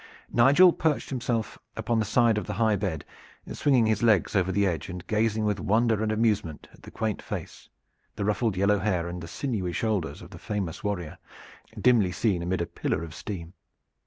Nigel perched himself upon the side of the high bed, swinging his legs over the edge and gazing with wonder and amusement at the quaint face, the ruffled yellow hair, and the sinewy shoulders of the famous warrior, dimly seen amid a pillar of steam.